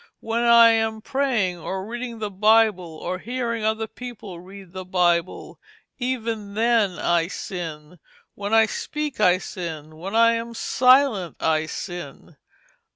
When I am praying, or reading the Bible, or hearing other people read the Bible, even then I sin. When I speak, I sin; when I am silent, I sin."